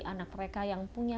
anak mereka yang punya